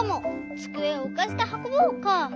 つくえをうかせてはこぼう」か。